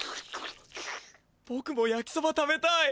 ぼくもやきそば食べたい。